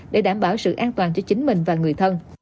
để đảm bảo sự an toàn cho chính mình và người thân